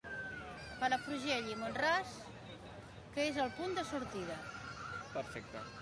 Palafrugell i Mont-ras, que és el punt de sortida.